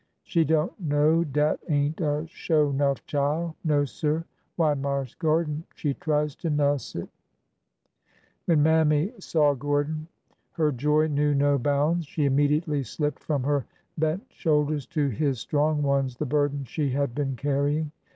She don't know dat ain't a sho' 'nough chile. No, sir I Why, Marse Gordon, she tries to nuss itl " GORDON TAKES THE HELM 337 When Mammy saw Gordon her joy knew no bounds. She immediately slipped from her bent shoulders to his strong ones the burden she had been carrying.